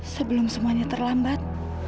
sebelum semuanya terlambat